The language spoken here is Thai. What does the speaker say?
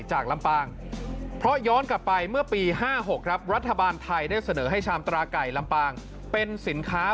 ลำปางเพราะย้อนกลับไปเมื่อปี๕๖ครับรัฐบาลไทยได้เสนอให้ชามตราไก่ลำปางเป็นสินค้า